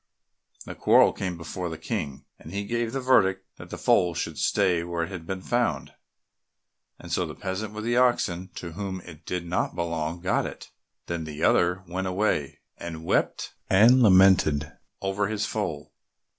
The quarrel came before the King, and he give the verdict that the foal should stay where it had been found, and so the peasant with the oxen, to whom it did not belong, got it. Then the other went away, and wept and lamented over his foal.